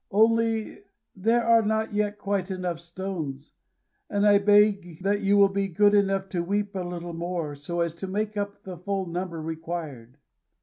Only there are not yet quite enough stones; and I beg that you will be good enough to weep a little more, so as to make up the full number required."